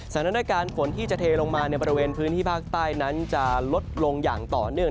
สถานการณ์ฝนที่จะเทลงมาในบริเวณพื้นที่ภาคใต้นั้นจะลดลงอย่างต่อเนื่อง